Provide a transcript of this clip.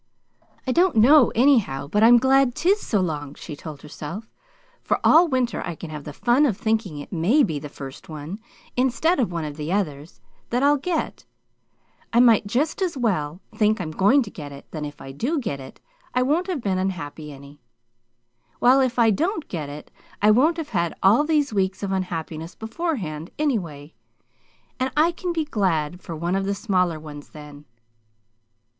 "I don't know, anyhow, but I'm glad 'tis so long," she told herself, "for all winter I can have the fun of thinking it may be the first one instead of one of the others, that I'll get. I might just as well think I'm going to get it, then if I do get it, I won't have been unhappy any. While if I don't get it I won't have had all these weeks of unhappiness beforehand, anyway; and I can be glad for one of the smaller ones, then."